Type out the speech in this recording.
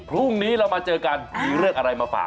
พรุ่งนี้เรามาเจอกันมีเรื่องอะไรมาฝาก